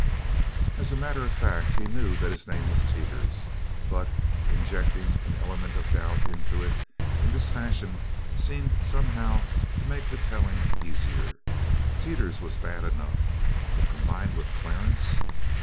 As a matter of fact he knew that his name was Teeters, but injecting an element of doubt into it in this fashion seemed somehow to make the telling easier. Teeters was bad enough, but combined with Clarence!